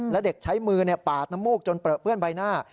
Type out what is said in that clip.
และเด็กใช้มือปาดน้ำมูกจนเปลือเปื้อนใบหน้า